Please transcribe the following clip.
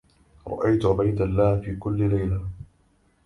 رأيت عبيد الله في كل ليلة